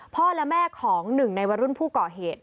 พ่อและแม่ของหนึ่งในวรุ่นผู้ก่อเหตุ